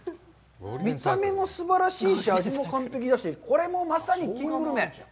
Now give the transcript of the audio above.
見た目もすばらしいし、味も完璧だし、これもまさに金グルメ。